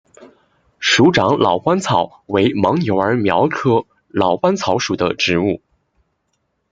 鼠掌老鹳草为牻牛儿苗科老鹳草属的植物。